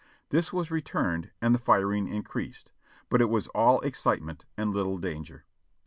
This was returned, and the firing in creased, but it was all excitement and little danger.